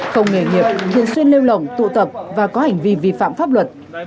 không nghề nghiệp thiên xuyên lêu lỏng tụ tập và có hành vi vi phạm pháp luật